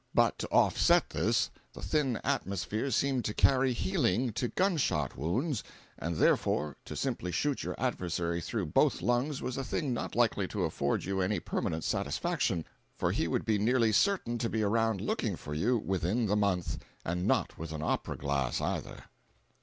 But to offset this, the thin atmosphere seemed to carry healing to gunshot wounds, and therefore, to simply shoot your adversary through both lungs was a thing not likely to afford you any permanent satisfaction, for he would be nearly certain to be around looking for you within the month, and not with an opera glass, either.